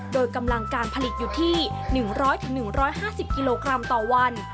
โดยกำลังการผลิตอยู่ที่๑๐๐๑๕๐กิโลกรัมต่อวัน